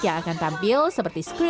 yang akan tampil seperti screen